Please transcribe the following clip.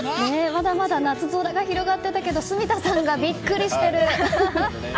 まだまだ夏空が広がっていたけど住田さんがビックリしてる。